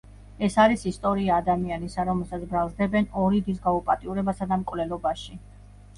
ეს არის ისტორია ადამიანისა, რომელსაც ბრალს დებენ ორი დის გაუპატიურებასა და მკვლელობაში.